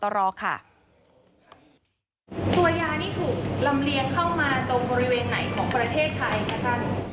ตัวยานี่ถูกลำเลียงเข้ามาตรงบริเวณไหนของประเทศไทยคะท่าน